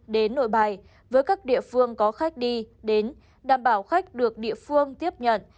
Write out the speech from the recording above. đến nội bài với các địa phương có khách đi đến đảm bảo khách được địa phương tiếp nhận